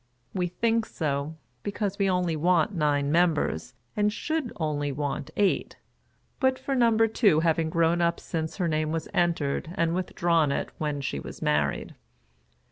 We think so, because we only want nine members, and should only want eight, but for number two having grown up since her name was entered, and withdrawn it when she was married.